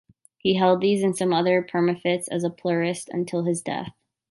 He held these and some other preferments as a pluralist until his death.